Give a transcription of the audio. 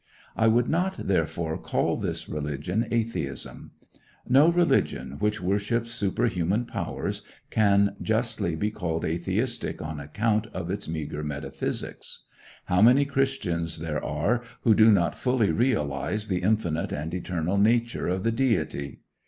I would not, therefore, call this religion atheism. No religion which worships superhuman powers can justly be called atheistic on account of its meagre metaphysics. How many Christians there are who do not fully realize the infinite and eternal nature of the Deity!